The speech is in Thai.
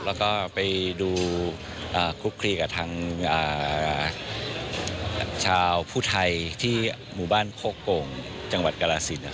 แล้วก็ไปดูคลุกคลีกับทางชาวผู้ไทยที่หมู่บ้านโคกโก่งจังหวัดกรสิน